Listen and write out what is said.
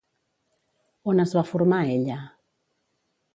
On es va formar ella?